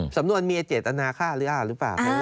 สำนวนเมียเจตนาฆ่าหรืออ้าหรือเปล่า